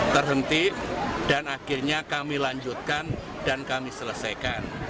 terhenti dan akhirnya kami lanjutkan dan kami selesaikan